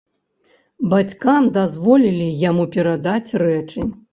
Бацькам дазволілі яму перадаць рэчы.